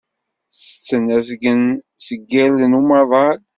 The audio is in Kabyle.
Tetten azgen seg irden umaḍal.